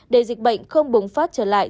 để dịch bệnh không bùng phát trở lại